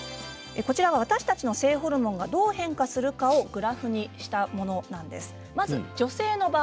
こちら、私たちの性ホルモンがどう変化するかをグラフにしたものなんです。